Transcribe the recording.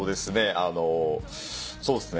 あのそうっすね。